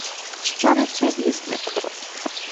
— Що рече вісник?